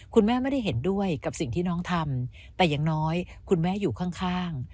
คุณแม่ไม่ได้เห็นด้วยกับสิ่งที่น้องทำแต่อย่างน้อยคุณแม่อยู่ข้าง